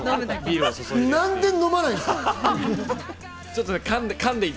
何で飲まないんですか？